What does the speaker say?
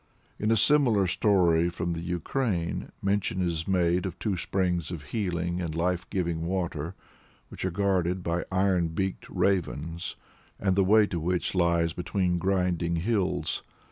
In a similar story from the Ukraine, mention is made of two springs of healing and life giving water, which are guarded by iron beaked ravens, and the way to which lies between grinding hills.